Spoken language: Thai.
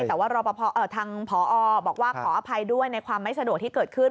แต่ว่าทางพอบอกว่าขออภัยด้วยในความไม่สะดวกที่เกิดขึ้น